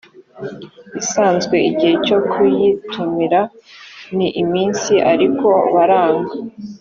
isanzwe igihe cyo kuyitumira ni iminsi ariko baranga